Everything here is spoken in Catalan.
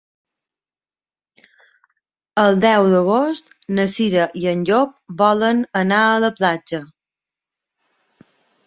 El deu d'agost na Cira i en Llop volen anar a la platja.